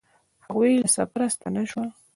هغوی له سفره ستانه شول